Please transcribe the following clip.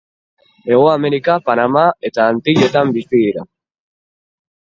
Hego Amerika, Panama eta Antilletan bizi dira.